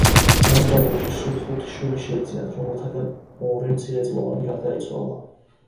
მას და ლუიჯის სულ ხუთი შვილი შეეძინათ, რომელთაგან ორი მცირეწლოვანი გარდაიცვალა.